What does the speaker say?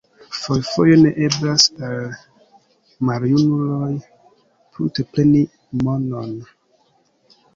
Fojfoje ne eblas al maljunuloj prunte preni monon.